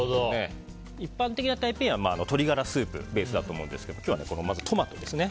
一般的なタイピーエンは鶏がらスープベースだと思うんですけど今日はまずトマトですね。